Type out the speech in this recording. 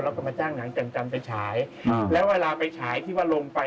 แล้วก็มาจ้างหนังจันไปฉายแล้วเวลาไปฉายที่ว่าลงไป